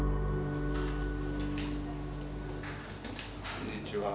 こんにちは。